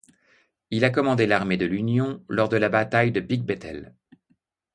Il a commandé l'armée de l'Union lors de la bataille de Big Bethel.